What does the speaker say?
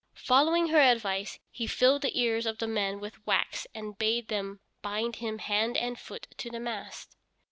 Following her advice he filled the ears of the men with wax and bade them bind him hand and foot to the mast.